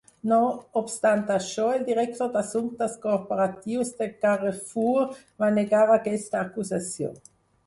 No obstant això, el Director d'Assumptes Corporatius de Carrefour va negar aquesta acusació.